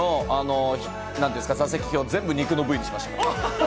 結婚式の座席表、全部肉の部位にしました。